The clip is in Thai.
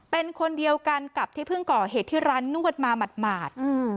เป็นคนเดียวกันกับที่เพิ่งก่อเหตุที่ร้านนวดมาหมาด